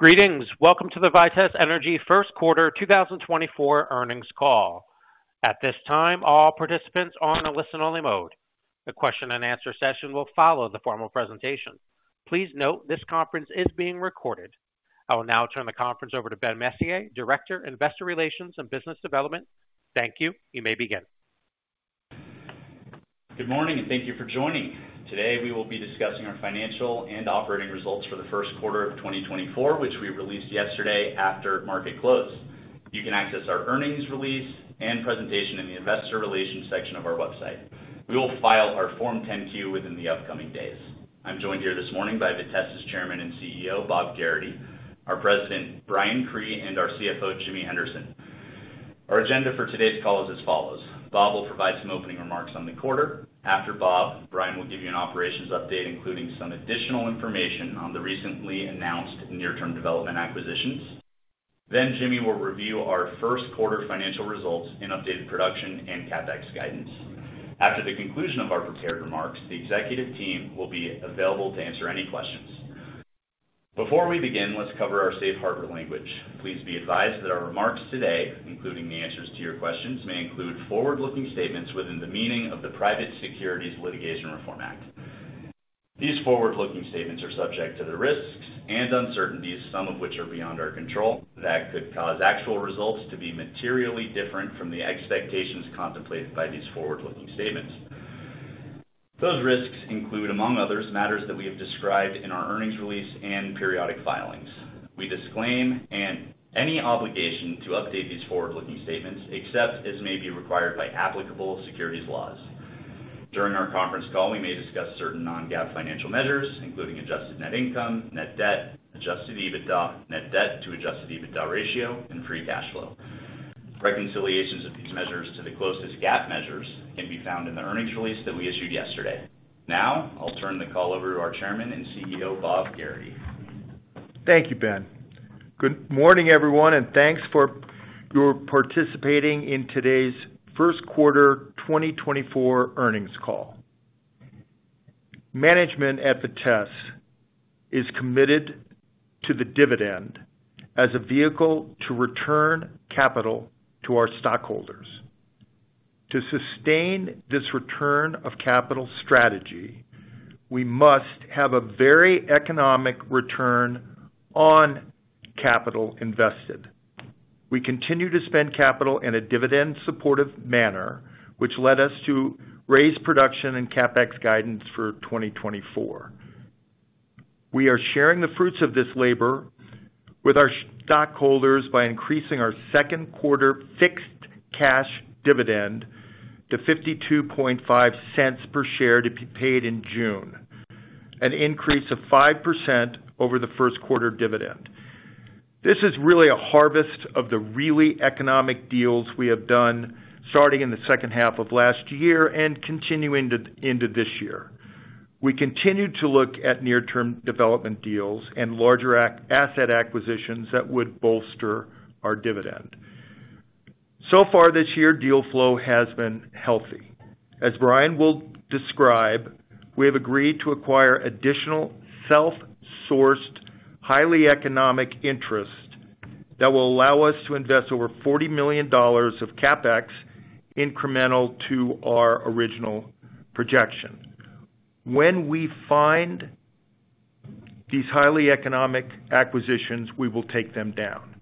Greetings. Welcome to the Vitesse Energy First Quarter 2024 earnings call. At this time, all participants are on a listen-only mode. The question and answer session will follow the formal presentation. Please note, this conference is being recorded. I will now turn the conference over to Ben Messier, Director, Investor Relations and Business Development. Thank you. You may begin. Good morning, and thank you for joining. Today, we will be discussing our financial and operating results for the first quarter of 2024, which we released yesterday after market close. You can access our earnings release and presentation in the investor relations section of our website. We will file our Form 10-Q within the upcoming days. I'm joined here this morning by Vitesse's Chairman and CEO, Bob Gerrity, our President, Brian Cree, and our CFO, Jimmy Henderson. Our agenda for today's call is as follows: Bob will provide some opening remarks on the quarter. After Bob, Brian will give you an operations update, including some additional information on the recently announced near-term development acquisitions. Then Jimmy will review our first quarter financial results in updated production and CapEx guidance. After the conclusion of our prepared remarks, the executive team will be available to answer any questions. Before we begin, let's cover our Safe Harbor language. Please be advised that our remarks today, including the answers to your questions, may include forward-looking statements within the meaning of the Private Securities Litigation Reform Act. These forward-looking statements are subject to the risks and uncertainties, some of which are beyond our control, that could cause actual results to be materially different from the expectations contemplated by these forward-looking statements. Those risks include, among others, matters that we have described in our earnings release and periodic filings. We disclaim and any obligation to update these forward-looking statements, except as may be required by applicable securities laws. During our conference call, we may discuss certain non-GAAP financial measures, including adjusted net income, net debt, adjusted EBITDA, net debt to adjusted EBITDA ratio, and free cash flow. Reconciliations of these measures to the closest GAAP measures can be found in the earnings release that we issued yesterday. Now, I'll turn the call over to our Chairman and CEO, Bob Gerrity. Thank you, Ben. Good morning, everyone, and thanks for your participating in today's first quarter 2024 earnings call. Management at Vitesse is committed to the dividend as a vehicle to return capital to our stockholders. To sustain this return of capital strategy, we must have a very economic return on capital invested. We continue to spend capital in a dividend-supportive manner, which led us to raise production and CapEx guidance for 2024. We are sharing the fruits of this labor with our stockholders by increasing our second quarter fixed cash dividend to $0.525 per share to be paid in June, an increase of 5% over the first quarter dividend. This is really a harvest of the really economic deals we have done, starting in the second half of last year and continuing into this year. We continued to look at near-term development deals and larger asset acquisitions that would bolster our dividend. So far this year, deal flow has been healthy. As Brian will describe, we have agreed to acquire additional self-sourced, highly economic interest that will allow us to invest over $40 million of CapEx incremental to our original projection. When we find these highly economic acquisitions, we will take them down.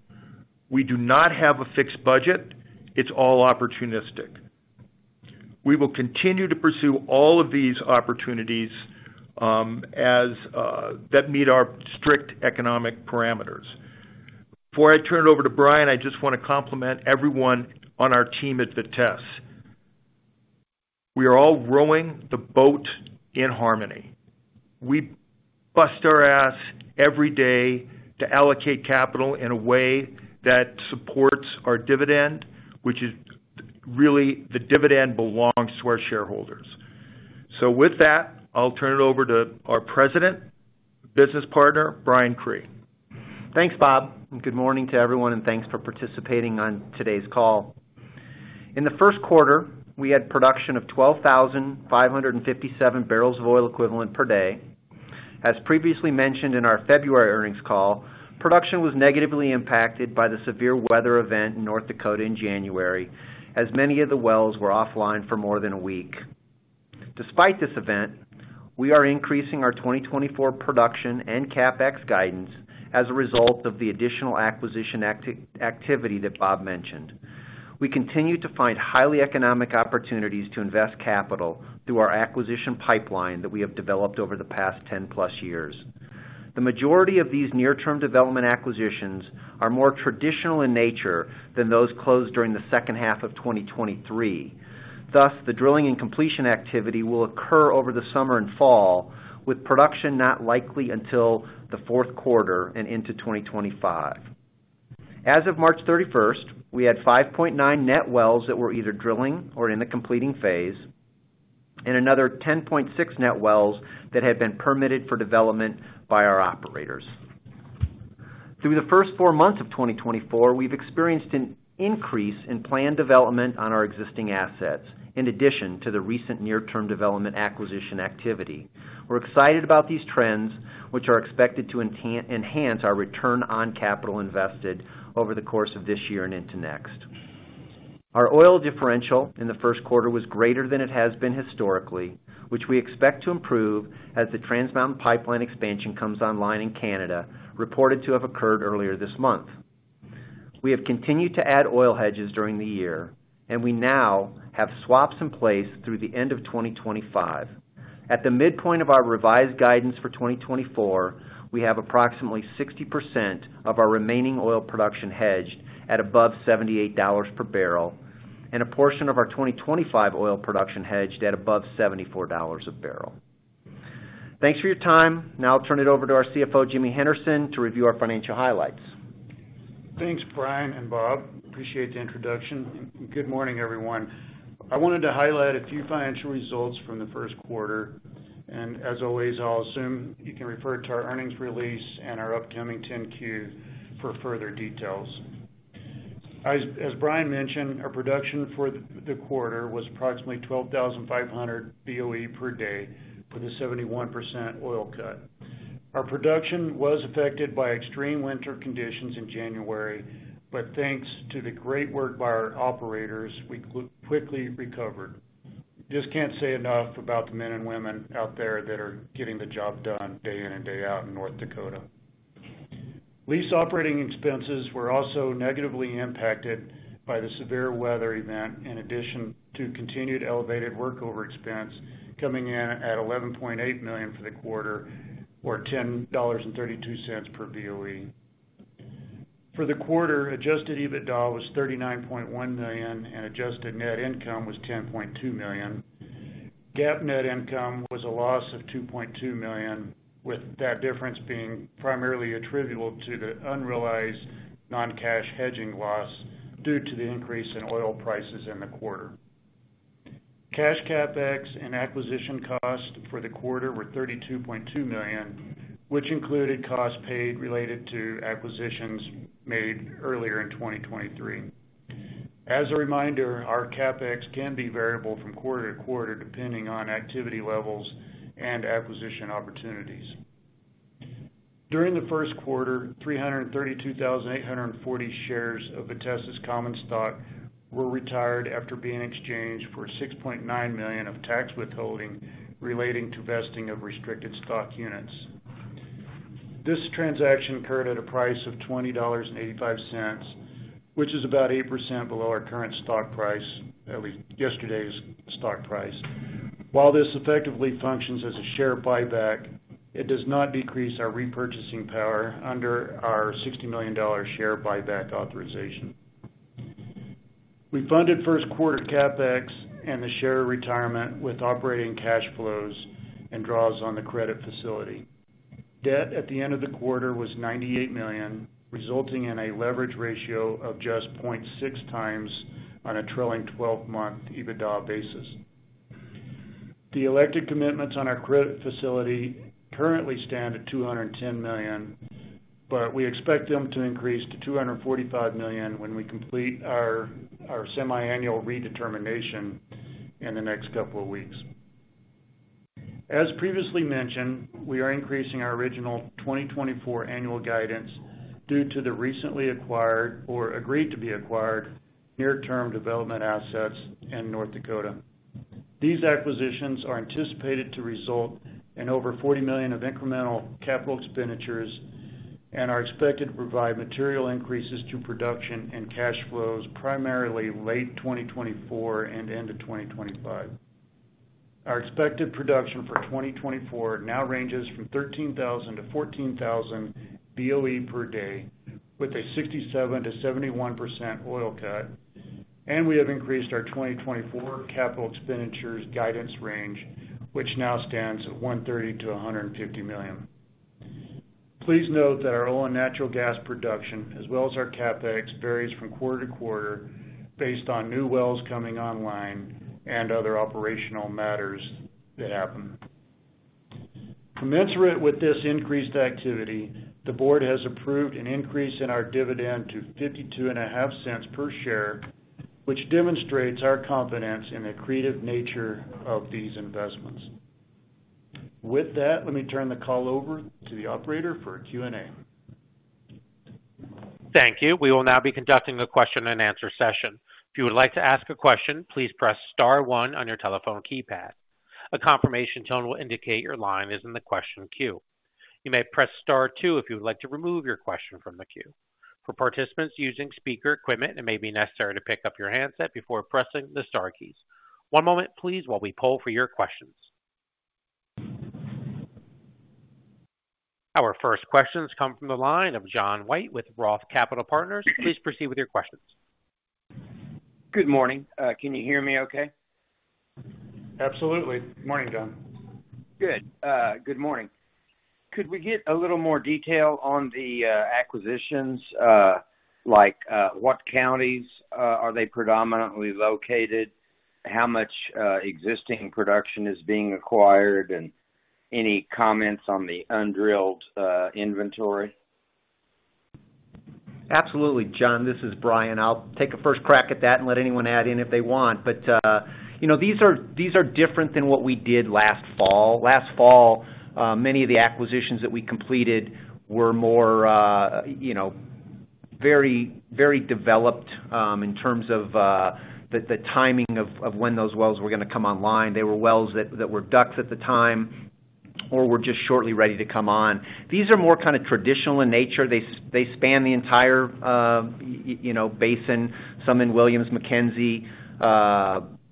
We do not have a fixed budget. It's all opportunistic. We will continue to pursue all of these opportunities as that meet our strict economic parameters. Before I turn it over to Brian, I just want to compliment everyone on our team at Vitesse. We are all rowing the boat in harmony. We bust our ass every day to allocate capital in a way that supports our dividend, which is really the dividend belongs to our shareholders. With that, I'll turn it over to our President, business partner, Brian Cree. Thanks, Bob, and good morning to everyone, and thanks for participating on today's call. In the first quarter, we had production of 12,557 barrels of oil equivalent per day. As previously mentioned in our February earnings call, production was negatively impacted by the severe weather event in North Dakota in January, as many of the wells were offline for more than a week. Despite this event, we are increasing our 2024 production and CapEx guidance as a result of the additional acquisition activity that Bob mentioned. We continue to find highly economic opportunities to invest capital through our acquisition pipeline that we have developed over the past 10+ years. The majority of these near-term development acquisitions are more traditional in nature than those closed during the second half of 2023. Thus, the drilling and completion activity will occur over the summer and fall, with production not likely until the fourth quarter and into 2025. As of March 31, we had 5.9 net wells that were either drilling or in the completing phase, and another 10.6 net wells that had been permitted for development by our operators. Through the first four months of 2024, we've experienced an increase in planned development on our existing assets, in addition to the recent near-term development acquisition activity. We're excited about these trends, which are expected to enhance our return on capital invested over the course of this year and into next.... Our oil differential in the first quarter was greater than it has been historically, which we expect to improve as the Trans Mountain Pipeline expansion comes online in Canada, reported to have occurred earlier this month. We have continued to add oil hedges during the year, and we now have swaps in place through the end of 2025. At the midpoint of our revised guidance for 2024, we have approximately 60% of our remaining oil production hedged at above $78 per barrel, and a portion of our 2025 oil production hedged at above $74 a barrel. Thanks for your time. Now I'll turn it over to our CFO, Jimmy Henderson, to review our financial highlights. Thanks, Brian and Bob. Appreciate the introduction. Good morning, everyone. I wanted to highlight a few financial results from the first quarter, and as always, I'll assume you can refer to our earnings release and our upcoming 10-Q for further details. As Brian mentioned, our production for the quarter was approximately 12,500 BOE per day, with a 71% oil cut. Our production was affected by extreme winter conditions in January, but thanks to the great work by our operators, we quickly recovered. Just can't say enough about the men and women out there that are getting the job done day in and day out in North Dakota. Lease operating expenses were also negatively impacted by the severe weather event, in addition to continued elevated workover expense, coming in at $11.8 million for the quarter, or $10.32 per BOE. For the quarter, Adjusted EBITDA was $39.1 million, and Adjusted Net Income was $10.2 million. GAAP net income was a loss of $2.2 million, with that difference being primarily attributable to the unrealized non-cash hedging loss due to the increase in oil prices in the quarter. Cash CapEx and acquisition costs for the quarter were $32.2 million, which included costs paid related to acquisitions made earlier in 2023. As a reminder, our CapEx can be variable from quarter to quarter, depending on activity levels and acquisition opportunities. During the first quarter, 332,840 shares of Vitesse's common stock were retired after being exchanged for $6.9 million of tax withholding relating to vesting of restricted stock units. This transaction occurred at a price of $20.85, which is about 8% below our current stock price, at least yesterday's stock price. While this effectively functions as a share buyback, it does not decrease our repurchasing power under our $60 million share buyback authorization. We funded first quarter CapEx and the share retirement with operating cash flows and draws on the credit facility. Debt at the end of the quarter was $98 million, resulting in a leverage ratio of just 0.6x on a trailing twelve-month EBITDA basis. The elected commitments on our credit facility currently stand at $210 million, but we expect them to increase to $245 million when we complete our semiannual redetermination in the next couple of weeks. As previously mentioned, we are increasing our original 2024 annual guidance due to the recently acquired or agreed to be acquired near-term development assets in North Dakota. These acquisitions are anticipated to result in over $40 million of incremental capital expenditures and are expected to provide material increases to production and cash flows, primarily late 2024 and into 2025. Our expected production for 2024 now ranges from 13,000-14,000 BOE per day, with a 67%-71% oil cut, and we have increased our 2024 capital expenditures guidance range, which now stands at $130-$150 million. Please note that our oil and natural gas production, as well as our CapEx, varies from quarter to quarter based on new wells coming online and other operational matters that happen. Commensurate with this increased activity, the board has approved an increase in our dividend to $0.525 per share, which demonstrates our confidence in the accretive nature of these investments. With that, let me turn the call over to the operator for a Q&A. Thank you. We will now be conducting the question-and-answer session. If you would like to ask a question, please press star one on your telephone keypad. A confirmation tone will indicate your line is in the question queue. You may press star two if you would like to remove your question from the queue. For participants using speaker equipment, it may be necessary to pick up your handset before pressing the star keys. One moment, please, while we poll for your questions. Our first questions come from the line of John White with Roth Capital Partners. Please proceed with your questions. Good morning. Can you hear me okay? Absolutely. Morning, John. Good morning. Could we get a little more detail on the acquisitions? Like, what counties are they predominantly located? How much existing production is being acquired, and any comments on the undrilled inventory? Absolutely, John. This is Brian. I'll take a first crack at that and let anyone add in if they want. But, you know, these are, these are different than what we did last fall. Last fall, many of the acquisitions that we completed were more, you know, very, very developed, in terms of, the timing of when those wells were going to come online. They were wells that were DUCs at the time or were just shortly ready to come on. These are more kind of traditional in nature. They span the entire, you know, basin, some in Williams, McKenzie,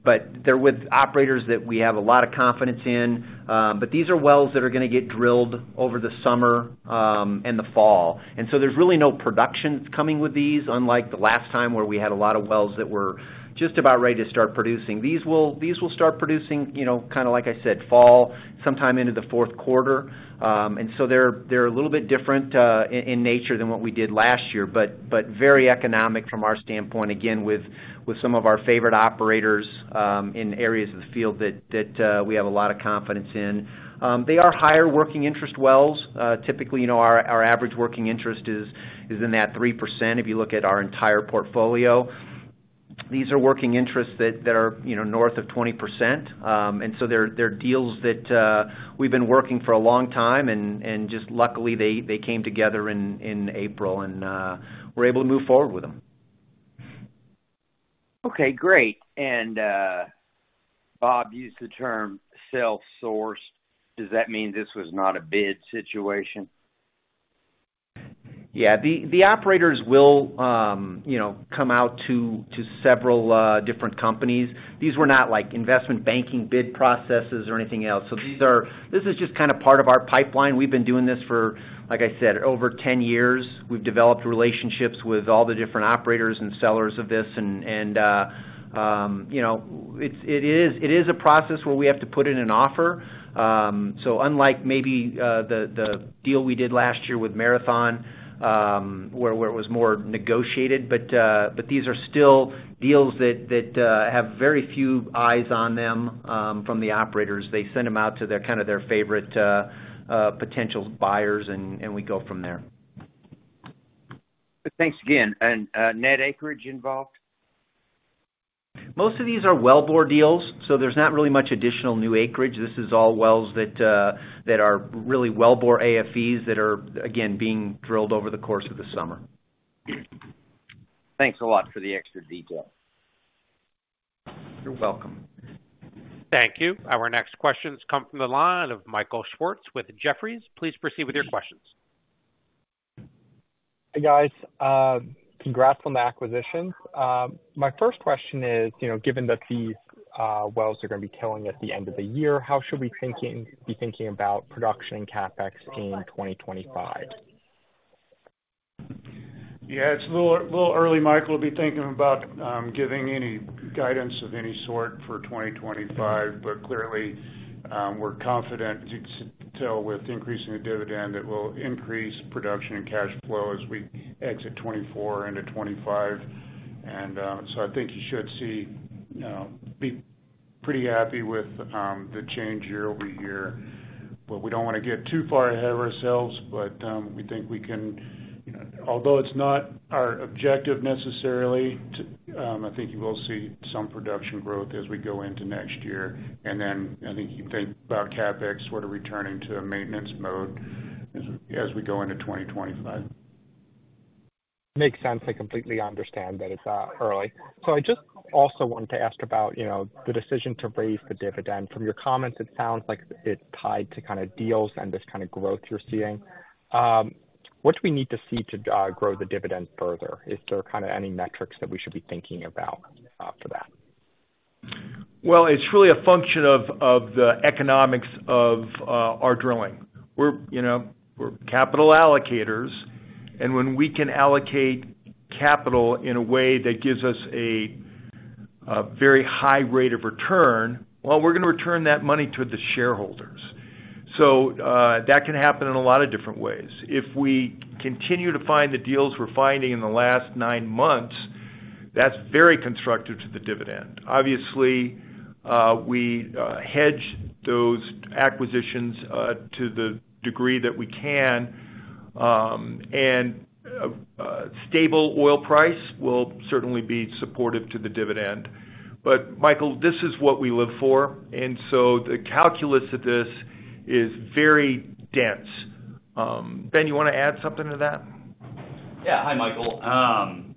but they're with operators that we have a lot of confidence in. But these are wells that are going to get drilled over the summer, and the fall. So there's really no production coming with these, unlike the last time, where we had a lot of wells that were just about ready to start producing. These will, these will start producing, you know, kind of, like I said, fall, sometime into the fourth quarter. And so they're, they're a little bit different in nature than what we did last year, but, but very economic from our standpoint, again, with, with some of our favorite operators, in areas of the field that, that we have a lot of confidence in. They are higher working interest wells. Typically, you know, our average working interest is in that 3% if you look at our entire portfolio. These are working interests that are, you know, north of 20%. And so they're deals that we've been working for a long time, and just luckily, they came together in April, and we're able to move forward with them. Okay, great. And, Bob used the term self-sourced. Does that mean this was not a bid situation? Yeah. The operators will, you know, come out to several different companies. These were not like investment banking bid processes or anything else. So these are. This is just kind of part of our pipeline. We've been doing this for, like I said, over 10 years. We've developed relationships with all the different operators and sellers of this, and you know, it is a process where we have to put in an offer. So unlike maybe the deal we did last year with Marathon, where it was more negotiated, but these are still deals that have very few eyes on them from the operators. They send them out to their kind of favorite potential buyers, and we go from there. Thanks again. And net acreage involved? Most of these are wellbore deals, so there's not really much additional new acreage. This is all wells that are really wellbore AFEs that are, again, being drilled over the course of the summer. Thanks a lot for the extra detail. You're welcome. Thank you. Our next questions come from the line of Michael Schwartz with Jefferies. Please proceed with your questions. Hey, guys. Congrats on the acquisition. My first question is, you know, given that these wells are going to be drilling at the end of the year, how should we be thinking about production and CapEx in 2025? Yeah, it's a little, little early, Michael, to be thinking about giving any guidance of any sort for 2025. But clearly, we're confident, as you can tell, with increasing the dividend, that we'll increase production and cash flow as we exit 2024 into 2025. And so I think you should see, you know, be pretty happy with the change year-over-year. But we don't want to get too far ahead of ourselves, but we think we can, you know... Although it's not our objective necessarily, to I think you will see some production growth as we go into next year. And then I think you think about CapEx sort of returning to a maintenance mode as, as we go into 2025. Makes sense. I completely understand that it's early. So I just also wanted to ask about, you know, the decision to raise the dividend. From your comments, it sounds like it's tied to kind of deals and this kind of growth you're seeing. What do we need to see to grow the dividend further? Is there kind of any metrics that we should be thinking about for that? Well, it's really a function of the economics of our drilling. We're, you know, we're capital allocators, and when we can allocate capital in a way that gives us a very high rate of return, well, we're going to return that money to the shareholders. So, that can happen in a lot of different ways. If we continue to find the deals we're finding in the last nine months, that's very constructive to the dividend. Obviously, we hedge those acquisitions to the degree that we can. And, stable oil price will certainly be supportive to the dividend. But Michael, this is what we live for, and so the calculus of this is very dense. Ben, you want to add something to that? Yeah. Hi, Michael.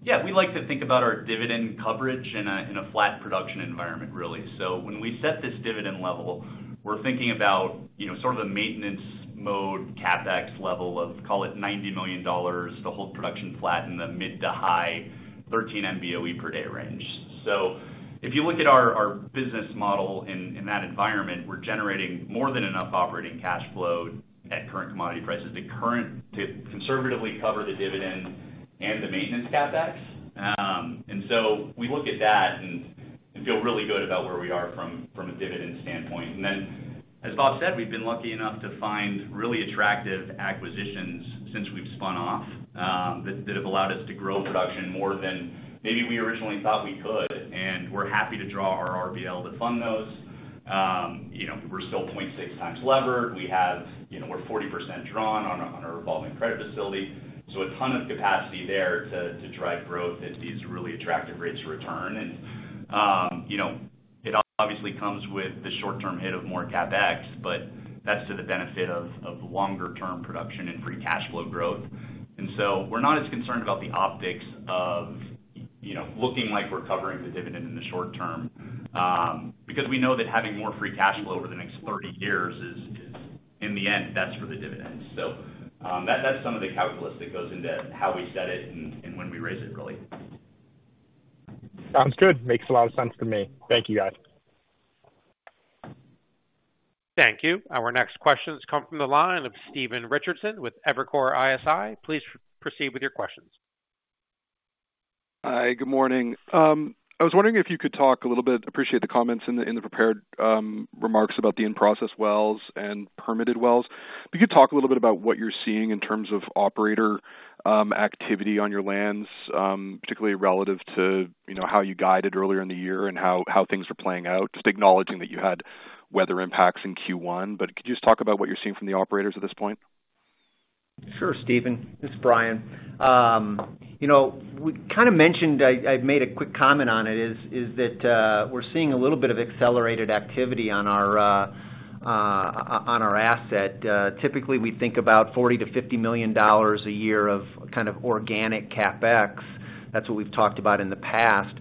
Yeah, we like to think about our dividend coverage in a flat production environment, really. So when we set this dividend level, we're thinking about, you know, sort of a maintenance mode, CapEx level of, call it $90 million to hold production flat in the mid- to high-13 MBOE per day range. So if you look at our business model in that environment, we're generating more than enough operating cash flow at current commodity prices to conservatively cover the dividend and the maintenance CapEx. And so we look at that and feel really good about where we are from a dividend standpoint. And then, as Bob said, we've been lucky enough to find really attractive acquisitions since we've spun off that have allowed us to grow production more than maybe we originally thought we could, and we're happy to draw our RBL to fund those. You know, we're still 0.6 times levered. We have, you know, we're 40% drawn on our revolving credit facility, so a ton of capacity there to drive growth at these really attractive rates of return. And, you know-... It obviously comes with the short-term hit of more CapEx, but that's to the benefit of longer-term production and Free Cash Flow growth. And so we're not as concerned about the optics of, you know, looking like we're covering the dividend in the short term, because we know that having more Free Cash Flow over the next 30 years is, in the end, that's for the dividends. So, that- that's some of the calculus that goes into how we set it and, and when we raise it, really. Sounds good. Makes a lot of sense to me. Thank you, guys. Thank you. Our next question comes from the line of Stephen Richardson with Evercore ISI. Please proceed with your questions. Hi, good morning. I was wondering if you could talk a little bit. I appreciate the comments in the prepared remarks about the in-process wells and permitted wells. If you could talk a little bit about what you're seeing in terms of operator activity on your lands, particularly relative to, you know, how you guided earlier in the year and how things are playing out, just acknowledging that you had weather impacts in Q1. But could you just talk about what you're seeing from the operators at this point? Sure, Stephen, this is Brian. You know, we kind of mentioned, I made a quick comment on it, is that we're seeing a little bit of accelerated activity on our on our asset. Typically, we think about $40 million-$50 million a year of kind of organic CapEx. That's what we've talked about in the past.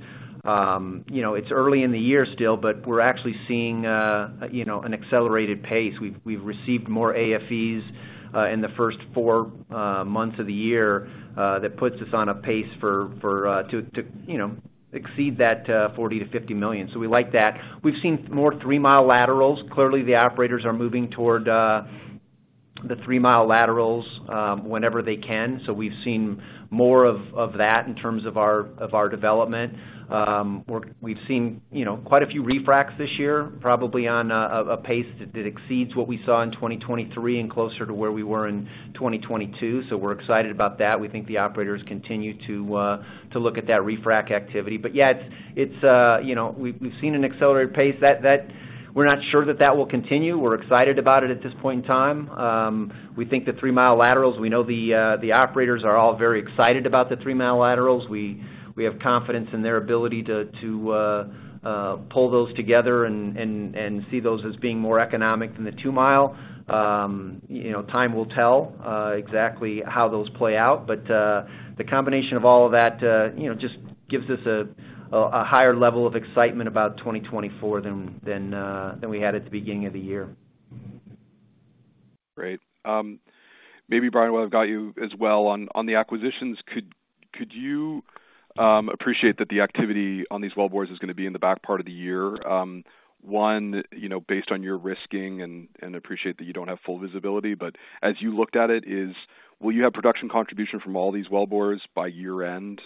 You know, it's early in the year still, but we're actually seeing you know, an accelerated pace. We've received more AFEs in the first four months of the year that puts us on a pace for to you know, exceed that $40 million-$50 million. So we like that. We've seen more 3-mile laterals. Clearly, the operators are moving toward the 3-mile laterals whenever they can. So we've seen more of that in terms of our development. We've seen, you know, quite a few refracs this year, probably on a pace that exceeds what we saw in 2023 and closer to where we were in 2022. So we're excited about that. We think the operators continue to look at that refrac activity. But yeah, it's, you know, we've seen an accelerated pace that... We're not sure that that will continue. We're excited about it at this point in time. We think the three-mile laterals, we know the operators are all very excited about the three-mile laterals. We have confidence in their ability to pull those together and see those as being more economic than the two-mile. You know, time will tell exactly how those play out. But, the combination of all of that, you know, just gives us a higher level of excitement about 2024 than we had at the beginning of the year. Great. Maybe, Brian, while I've got you as well, on the acquisitions, could you appreciate that the activity on these wellbores is gonna be in the back part of the year? You know, based on your risking and appreciate that you don't have full visibility, but as you looked at it, will you have production contribution from all these wellbores by year-end?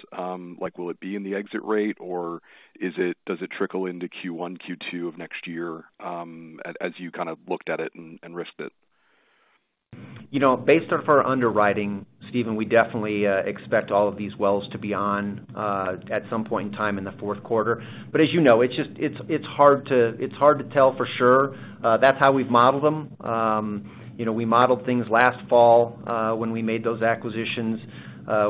Like, will it be in the exit rate, or is it, does it trickle into Q1, Q2 of next year, as you kind of looked at it and risked it? You know, based on our underwriting, Stephen, we definitely expect all of these wells to be on at some point in time in the fourth quarter. But as you know, it's just, it's hard to tell for sure. That's how we've modeled them. You know, we modeled things last fall when we made those acquisitions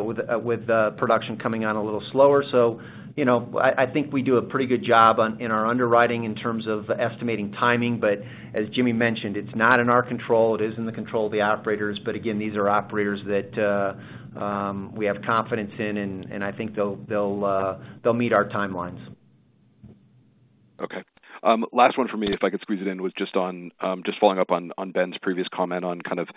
with production coming on a little slower. So, you know, I think we do a pretty good job in our underwriting in terms of estimating timing. But as Jimmy mentioned, it's not in our control. It is in the control of the operators. But again, these are operators that we have confidence in, and I think they'll meet our timelines. Okay. Last one for me, if I could squeeze it in, was just on just following up on, on Ben's previous comment on kind of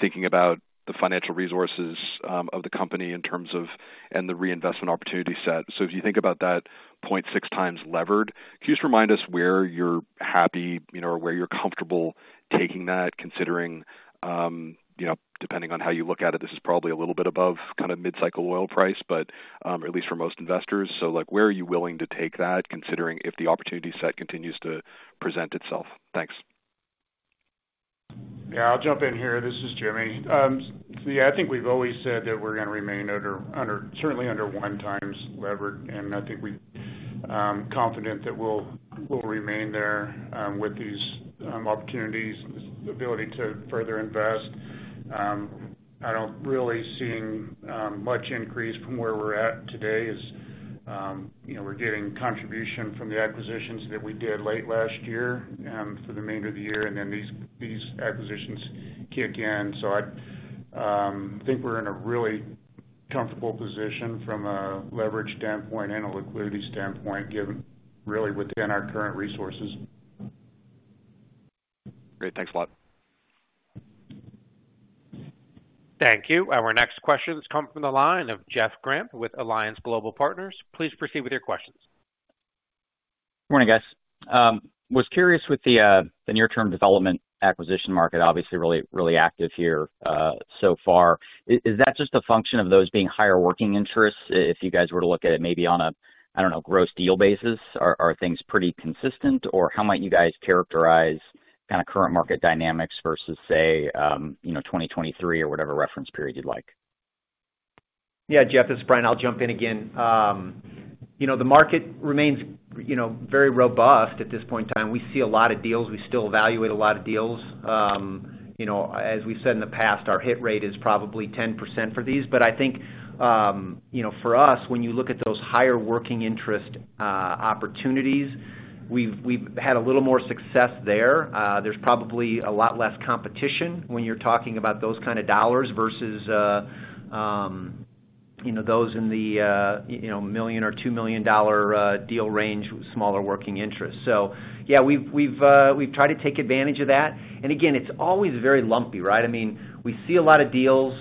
thinking about the financial resources of the company in terms of... and the reinvestment opportunity set. So if you think about that 0.6x levered, can you just remind us where you're happy, you know, or where you're comfortable taking that, considering you know, depending on how you look at it, this is probably a little bit above kind of mid-cycle oil price, but at least for most investors. So, like, where are you willing to take that, considering if the opportunity set continues to present itself? Thanks. Yeah, I'll jump in here. This is Jimmy. Yeah, I think we've always said that we're gonna remain under, certainly under one times levered, and I think we're confident that we'll remain there, with these opportunities, the ability to further invest. I don't really see much increase from where we're at today, you know, we're getting contribution from the acquisitions that we did late last year, for the remainder of the year, and then these acquisitions kick in. So I think we're in a really comfortable position from a leverage standpoint and a liquidity standpoint, given really within our current resources. Great. Thanks a lot. Thank you. Our next question comes from the line of Jeff Grampp with Alliance Global Partners. Please proceed with your questions. Morning, guys. Was curious with the near-term development acquisition market, obviously, really, really active here, so far. Is that just a function of those being higher working interests? If you guys were to look at it, maybe on a, I don't know, gross deal basis, are things pretty consistent? Or how might you guys characterize kind of current market dynamics versus, say, you know, 2023 or whatever reference period you'd like?... Yeah, Jeff, this is Brian. I'll jump in again. You know, the market remains, you know, very robust at this point in time. We see a lot of deals. We still evaluate a lot of deals. You know, as we've said in the past, our hit rate is probably 10% for these. But I think, you know, for us, when you look at those higher working interest opportunities, we've, we've had a little more success there. There's probably a lot less competition when you're talking about those kind of dollars versus, you know, those in the $1 million or $2 million deal range with smaller working interests. So yeah, we've, we've, we've tried to take advantage of that. And again, it's always very lumpy, right? I mean, we see a lot of deals.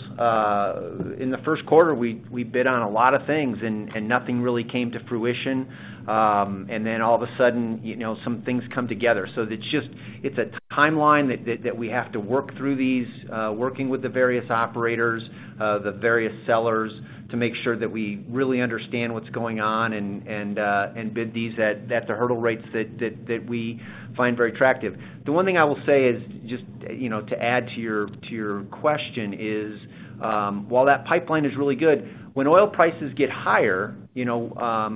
In the first quarter, we bid on a lot of things and nothing really came to fruition. And then all of a sudden, you know, some things come together. So it's just—it's a timeline that we have to work through these working with the various operators, the various sellers, to make sure that we really understand what's going on and bid these at the hurdle rates that we find very attractive. The one thing I will say is just, you know, to add to your question is, while that pipeline is really good, when oil prices get higher, you know,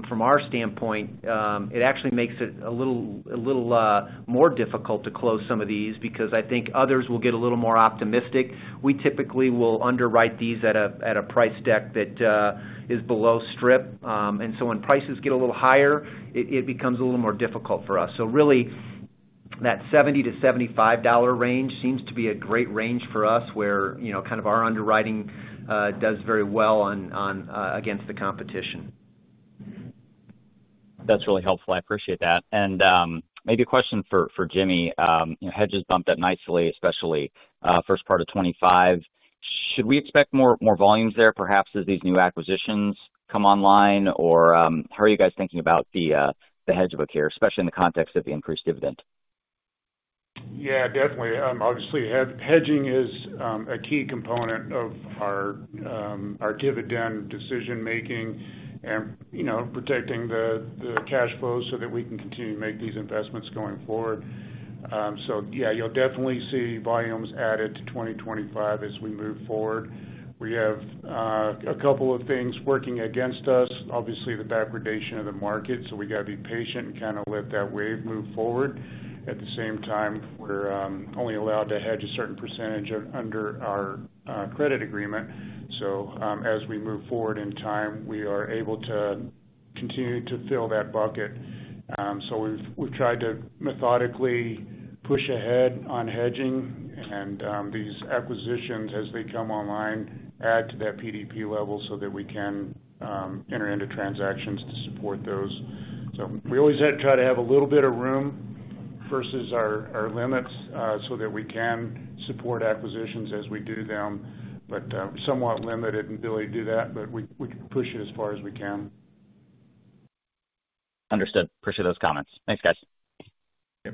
from our standpoint, it actually makes it a little more difficult to close some of these because I think others will get a little more optimistic. We typically will underwrite these at a price deck that is below strip. So when prices get a little higher, it becomes a little more difficult for us. So really, that $70-$75 range seems to be a great range for us, where, you know, kind of our underwriting does very well on against the competition. That's really helpful. I appreciate that. And, maybe a question for, for Jimmy. Hedges bumped up nicely, especially, first part of 2025. Should we expect more, more volumes there, perhaps as these new acquisitions come online? Or, how are you guys thinking about the, the hedge book here, especially in the context of the increased dividend? Yeah, definitely. Obviously, hedging is a key component of our dividend decision-making and, you know, protecting the cash flows so that we can continue to make these investments going forward. So yeah, you'll definitely see volumes added to 2025 as we move forward. We have a couple of things working against us. Obviously, the degradation of the market, so we got to be patient and kind of let that wave move forward. At the same time, we're only allowed to hedge a certain percentage of under our credit agreement. So, as we move forward in time, we are able to continue to fill that bucket. So we've tried to methodically push ahead on hedging and these acquisitions as they come online, add to that PDP level so that we can enter into transactions to support those. So we always try to have a little bit of room versus our limits so that we can support acquisitions as we do them. But somewhat limited in ability to do that, but we can push it as far as we can. Understood. Appreciate those comments. Thanks, guys. Yeah.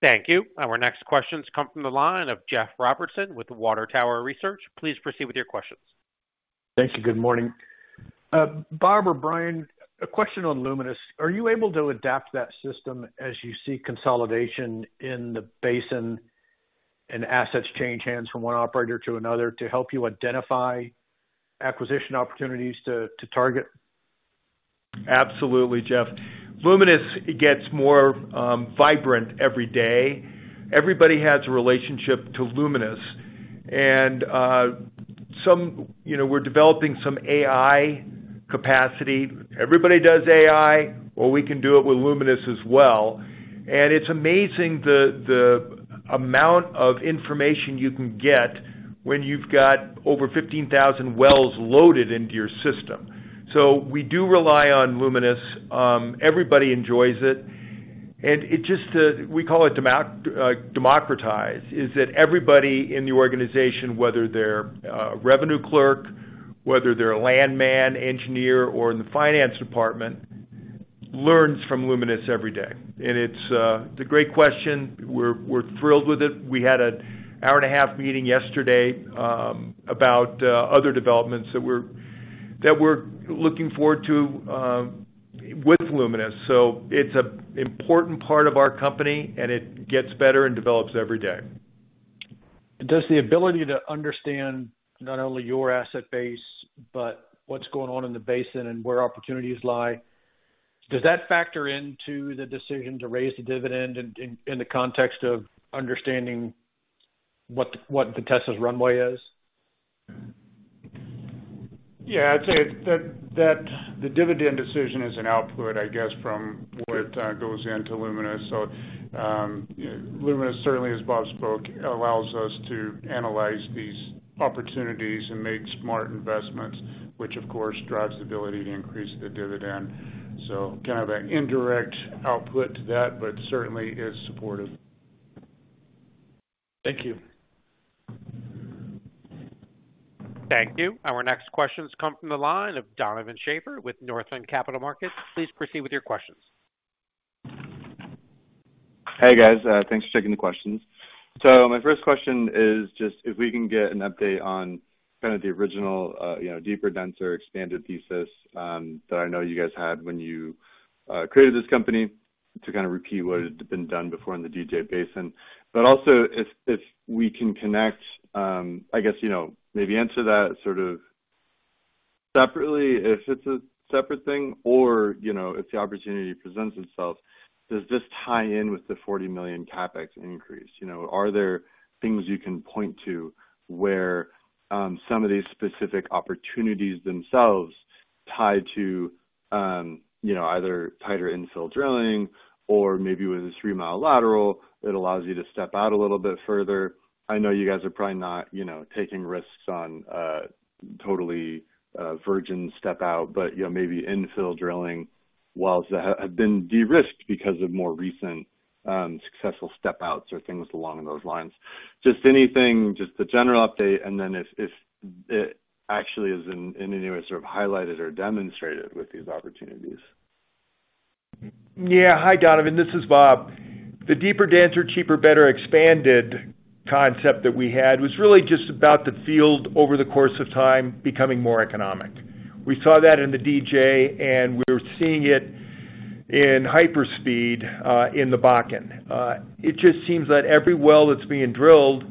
Thank you. Our next questions come from the line of Jeff Robertson with Water Tower Research. Please proceed with your questions. Thank you. Good morning. Bob or Brian, a question on Luminous. Are you able to adapt that system as you see consolidation in the basin and assets change hands from one operator to another to help you identify acquisition opportunities to target? Absolutely, Jeff. Luminous gets more vibrant every day. Everybody has a relationship to Luminous and you know, we're developing some AI capacity. Everybody does AI, well, we can do it with Luminous as well. And it's amazing the amount of information you can get when you've got over 15,000 wells loaded into your system. So we do rely on Luminous. Everybody enjoys it, and it just, we call it democratized, is that everybody in the organization, whether they're a revenue clerk, whether they're a landman engineer or in the finance department, learns from Luminous every day. And it's a great question. We're thrilled with it. We had an hour-and-a-half meeting yesterday about other developments that we're looking forward to with Luminous. It's an important part of our company, and it gets better and develops every day. Does the ability to understand not only your asset base, but what's going on in the basin and where opportunities lie, does that factor into the decision to raise the dividend in the context of understanding what the Vitesse's runway is? Yeah, I'd say that, that the dividend decision is an output, I guess, from what goes into Luminous. So, Luminous, certainly, as Bob spoke, allows us to analyze these opportunities and make smart investments, which of course, drives the ability to increase the dividend. So kind of an indirect output to that, but certainly is supportive. Thank you. Thank you. Our next questions come from the line of Donovan Schafer with Northland Capital Markets. Please proceed with your questions. Hey, guys, thanks for taking the questions. So my first question is just if we can get an update on kind of the original, you know, deeper, denser, expanded thesis, that I know you guys had when you created this company to kind of repeat what had been done before in the DJ Basin. But also, if we can connect, I guess, you know, maybe answer that sort of separately, if it's a separate thing or, you know, if the opportunity presents itself, does this tie in with the $40 million CapEx increase? You know, are there things you can point to where some of these specific opportunities themselves tie to, you know, either tighter infill drilling or maybe with a three-mile lateral, it allows you to step out a little bit further? I know you guys are probably not, you know, taking risks on, totally, virgin step out, but, you know, maybe infill drilling wells that have been de-risked because of more recent, successful step outs or things along those lines. Just anything, just a general update, and then if it actually is in any way, sort of highlighted or demonstrated with these opportunities. Yeah. Hi, Donovan. This is Bob. The deeper, denser, cheaper, better expanded concept that we had was really just about the field over the course of time becoming more economic. We saw that in the DJ, and we're seeing it in hyperspeed in the Bakken. It just seems that every well that's being drilled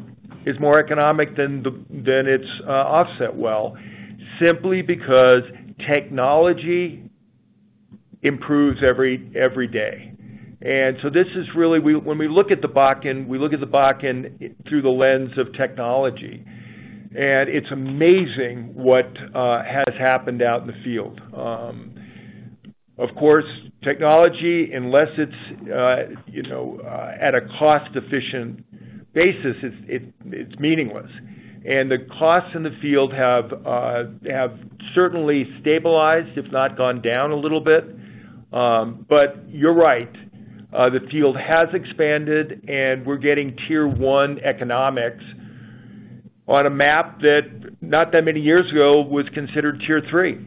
is more economic than its offset well, simply because technology improves every day. And so this is really... When we look at the Bakken, we look at the Bakken through the lens of technology, and it's amazing what has happened out in the field. Of course, technology, unless it's, you know, at a cost-efficient basis, it's meaningless. And the costs in the field have certainly stabilized, if not gone down a little bit. But you're right, the field has expanded, and we're getting tier one economics on a map that not that many years ago was considered tier three.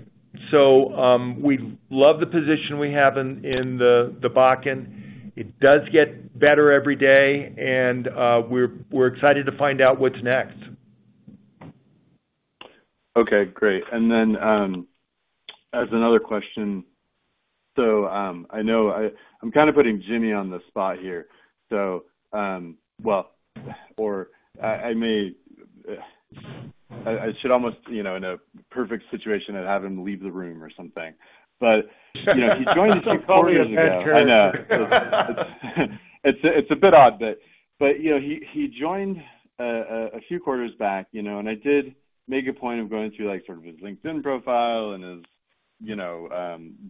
So, we love the position we have in the Bakken. It does get better every day, and we're excited to find out what's next. Okay, great. And then, as another question, so, I know I'm kind of putting Jimmy on the spot here, so, well, I should almost, you know, in a perfect situation, I'd have him leave the room or something. But, you know, he joined a few quarters ago. I'll pause there. I know. It's a bit odd, but you know, he joined a few quarters back, you know, and I did make a point of going through, like, sort of his LinkedIn profile and his, you know,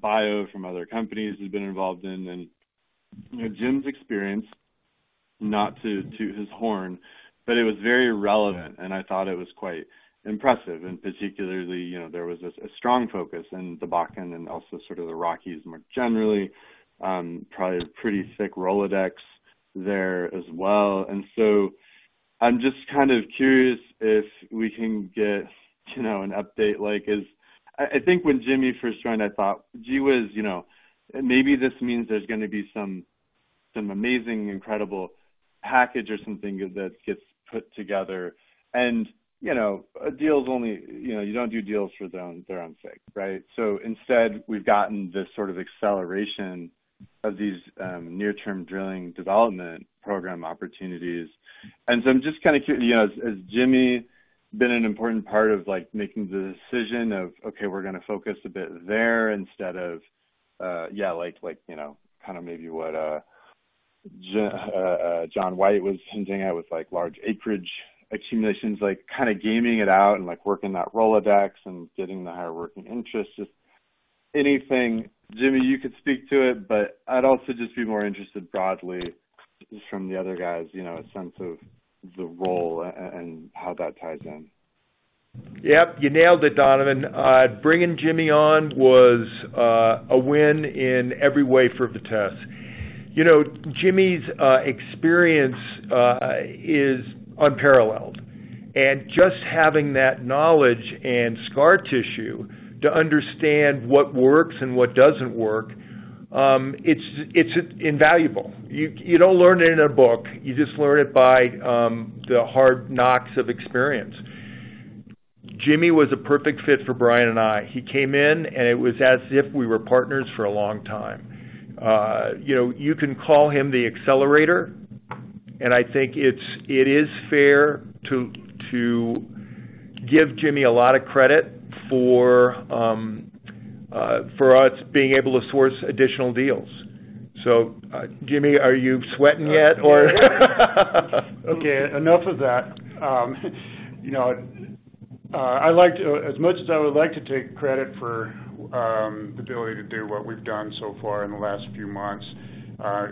bio from other companies he's been involved in. And you know, Jim's experience, not to toot his horn, but it was very relevant, and I thought it was quite impressive. And particularly, you know, there was a strong focus in the Bakken and also sort of the Rockies more generally. Probably a pretty thick Rolodex there as well. And so I'm just kind of curious if we can get, you know, an update, like, is. I think when Jimmy first joined, I thought, gee whiz, you know, maybe this means there's gonna be some amazing, incredible package or something that gets put together. And, you know, a deal's only, you know, you don't do deals for their own, their own sake, right? So instead, we've gotten this sort of acceleration of these, near-term drilling development program opportunities. And so I'm just kind of, you know, has Jimmy been an important part of, like, making the decision of, okay, we're gonna focus a bit there instead of, like, like, you know, kind of maybe what John White was hinting at with, like, large acreage accumulations, like, kind of gaming it out and, like, working that Rolodex and getting the higher working interest. Just anything, Jimmy, you could speak to it, but I'd also just be more interested broadly, just from the other guys, you know, a sense of the role and how that ties in. Yep, you nailed it, Donovan. Bringing Jimmy on was a win in every way for the test. You know, Jimmy's experience is unparalleled. And just having that knowledge and scar tissue to understand what works and what doesn't work, it's invaluable. You don't learn it in a book. You just learn it by the hard knocks of experience. Jimmy was a perfect fit for Brian and I. He came in, and it was as if we were partners for a long time. You know, you can call him the accelerator, and I think it is fair to give Jimmy a lot of credit for us being able to source additional deals. So, Jimmy, are you sweating yet or? Okay, enough of that. You know, I like to—as much as I would like to take credit for the ability to do what we've done so far in the last few months,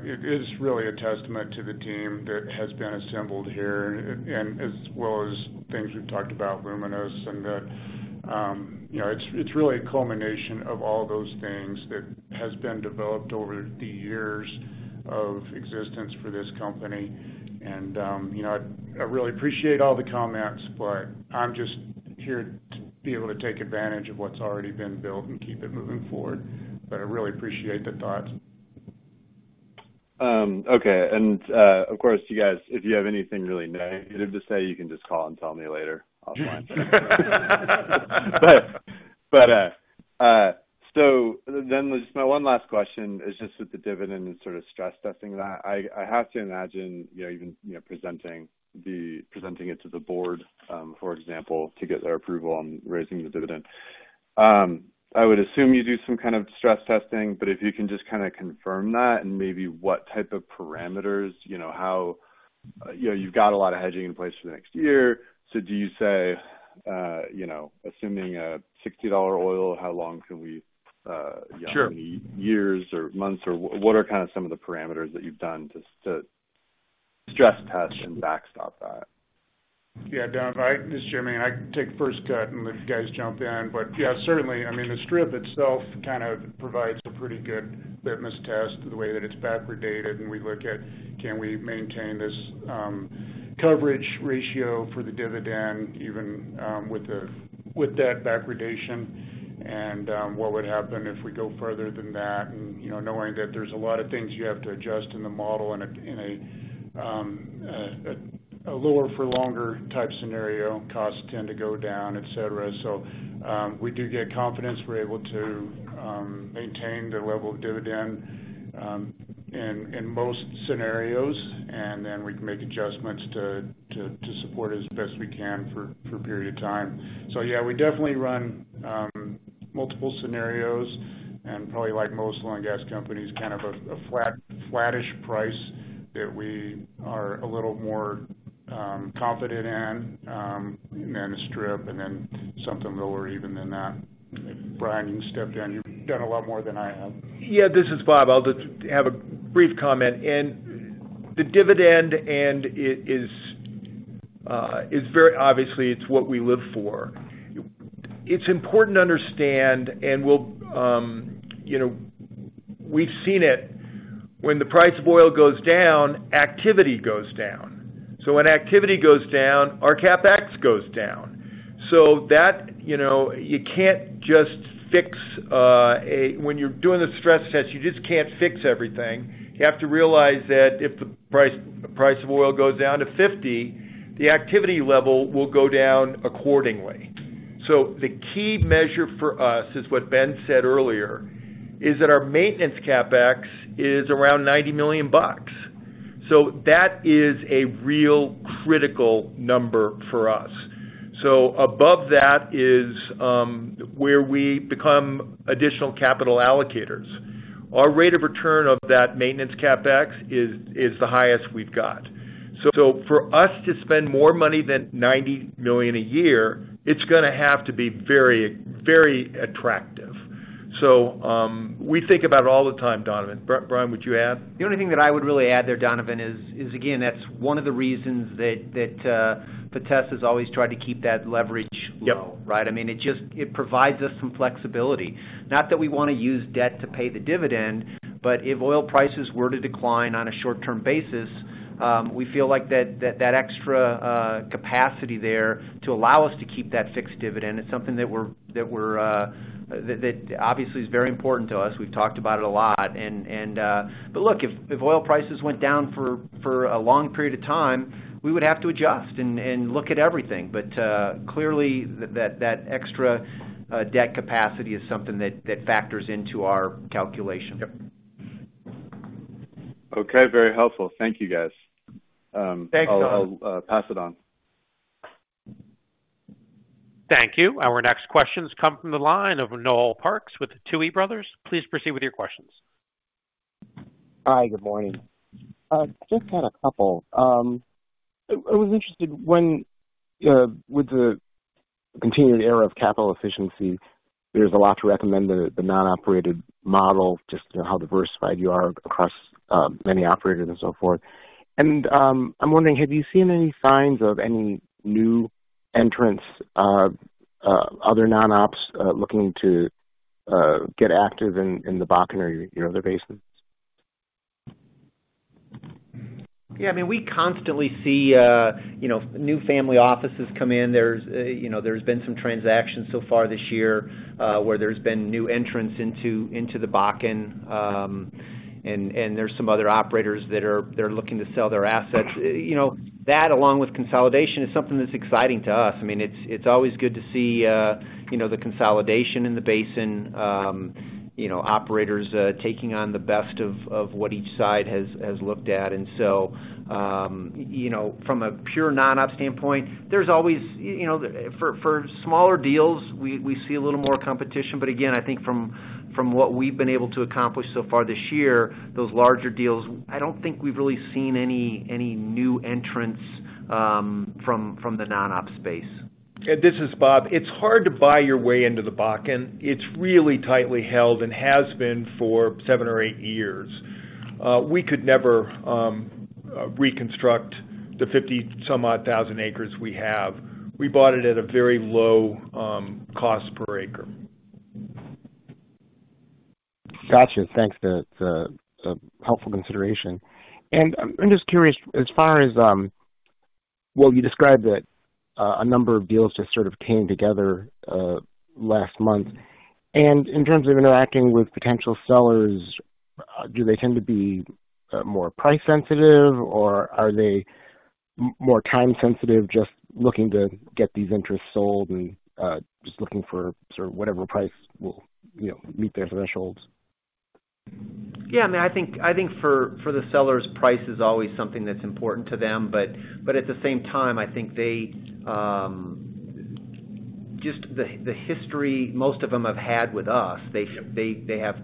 it is really a testament to the team that has been assembled here and, and as well as things we've talked about, Luminous and the... You know, it's, it's really a culmination of all those things that has been developed over the years of existence for this company. You know, I, I really appreciate all the comments, but I'm just here to be able to take advantage of what's already been built and keep it moving forward. But I really appreciate the thoughts. Okay. And, of course, you guys, if you have anything really negative to say, you can just call and tell me later, offline. But, so then just my one last question is just with the dividend and sort of stress testing that. I have to imagine, you know, even, you know, presenting the-- presenting it to the board, for example, to get their approval on raising the dividend. I would assume you do some kind of stress testing, but if you can just kinda confirm that and maybe what type of parameters, you know, how, you know, you've got a lot of hedging in place for the next year. So do you say, you know, assuming a $60 oil, how long can we, Sure. Years or months, or what are kind of some of the parameters that you've done to stress test and backstop that? Yeah, Donovan, this is Jimmy, and I can take the first cut and let you guys jump in. But, yeah, certainly, I mean, the strip itself kind of provides a pretty good litmus test to the way that it's backwardated, and we look at can we maintain this coverage ratio for the dividend, even with that backwardation? And, what would happen if we go further than that? And, you know, knowing that there's a lot of things you have to adjust in the model in a lower for longer type scenario, costs tend to go down, et cetera. So, we do get confidence. We're able to maintain the level of dividend in most scenarios, and then we can make adjustments to support as best we can for a period of time. So yeah, we definitely run multiple scenarios and probably like most oil and gas companies, kind of a flat, flattish price that we are a little more confident in than the strip and then something lower even than that. Brian, you step in. You've done a lot more than I have. Yeah, this is Bob. I'll just have a brief comment. And the dividend, and it is very obviously, it's what we live for. It's important to understand, and we'll, you know, we've seen it, when the price of oil goes down, activity goes down. So when activity goes down, our CapEx goes down. So that, you know, you can't just fix a. When you're doing a stress test, you just can't fix everything. You have to realize that if the price, price of oil goes down to 50, the activity level will go down accordingly. So the key measure for us is what Ben said earlier, is that our maintenance CapEx is around $90 million. So that is a real critical number for us. So above that is, where we become additional capital allocators. Our rate of return of that maintenance CapEx is the highest we've got. So for us to spend more money than $90 million a year, it's gonna have to be very, very attractive. So, we think about it all the time, Donovan. Brian, would you add? The only thing that I would really add there, Donovan, is again, that's one of the reasons that Vitesse has always tried to keep that leverage low. Yep. Right? I mean, it just provides us some flexibility. Not that we wanna use debt to pay the dividend, but if oil prices were to decline on a short-term basis, we feel like that extra capacity there to allow us to keep that fixed dividend is something that obviously is very important to us. We've talked about it a lot. But look, if oil prices went down for a long period of time, we would have to adjust and look at everything. But clearly, that extra debt capacity is something that factors into our calculation. Yep. Okay, very helpful. Thank you, guys. Thanks, Donovan. I'll pass it on. Thank you. Our next questions come from the line of Noel Parks with Tuohy Brothers. Please proceed with your questions. Hi, good morning. I was interested when, with the continuing era of capital efficiency, there's a lot to recommend the non-operated model, just, you know, how diversified you are across many operators and so forth. And I'm wondering, have you seen any signs of any new entrants, other non-ops looking to get active in the Bakken or, you know, other basins? Yeah, I mean, we constantly see, you know, new family offices come in. There's, you know, there's been some transactions so far this year, where there's been new entrants into the Bakken. And there's some other operators that are looking to sell their assets. You know, that, along with consolidation, is something that's exciting to us. I mean, it's always good to see, you know, the consolidation in the basin, you know, operators taking on the best of what each side has looked at. And so, you know, from a pure non-op standpoint, there's always, you know, for smaller deals, we see a little more competition. But again, I think from what we've been able to accomplish so far this year, those larger deals, I don't think we've really seen any new entrants from the non-op space. Yeah, this is Bob. It's hard to buy your way into the Bakken. It's really tightly held and has been for seven or eight years. We could never reconstruct the 50-some-odd thousand acres we have. We bought it at a very low cost per acre. Gotcha. Thanks. That's a helpful consideration. And I'm just curious, as far as... Well, you described that a number of deals just sort of came together last month. And in terms of interacting with potential sellers, do they tend to be more price sensitive, or are they more time sensitive, just looking to get these interests sold and just looking for sort of whatever price will, you know, meet their thresholds? Yeah, I mean, I think for the sellers, price is always something that's important to them. But at the same time, I think they just the history most of them have had with us, they have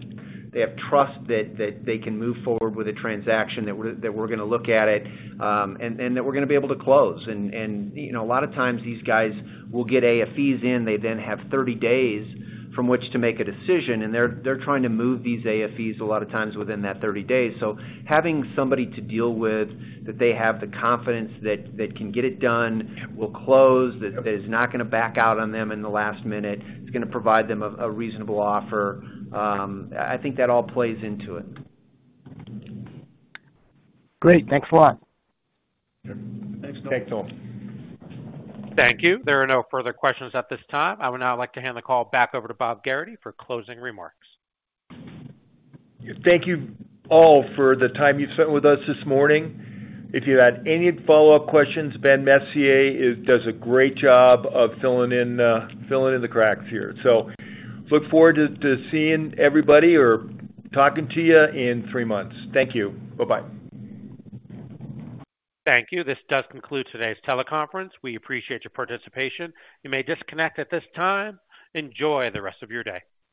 trust that they can move forward with a transaction, that we're gonna look at it, and that we're gonna be able to close. And you know, a lot of times these guys will get AFEs in, they then have 30 days from which to make a decision, and they're trying to move these AFEs a lot of times within that 30 days. So having somebody to deal with that they have the confidence that can get it done, will close, that is not gonna back out on them in the last minute, is gonna provide them a reasonable offer, I think that all plays into it. Great. Thanks a lot. Sure. Thanks, Noel. Thanks, Noel. Thank you. There are no further questions at this time. I would now like to hand the call back over to Bob Gerrity for closing remarks. Thank you all for the time you've spent with us this morning. If you had any follow-up questions, Ben Messier does a great job of filling in the cracks here. So look forward to seeing everybody or talking to you in three months. Thank you. Bye-bye. Thank you. This does conclude today's teleconference. We appreciate your participation. You may disconnect at this time. Enjoy the rest of your day.